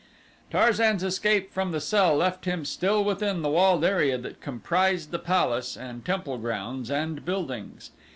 Tarzan's escape from the cell left him still within the walled area that comprised the palace and temple grounds and buildings.